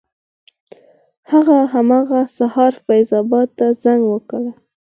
هغه همغه سهار فیض اباد ته زنګ وکړ.